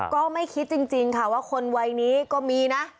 ก็ไม่คิดจริงค่ะว่าคนวัยนี้ก็มีนะ